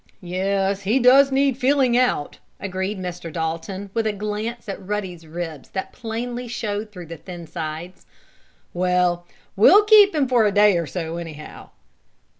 "Yes, he does need filling out," agreed Mr. Dalton, with a glance at Ruddy's ribs that plainly showed through the thin sides. "Well, we'll keep him for a day or so, anyhow."